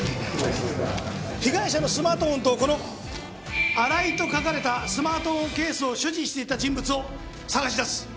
被害者のスマートフォンとこの「ＡＲＡＩ」と書かれたスマートフォンケースを所持していた人物を捜し出す！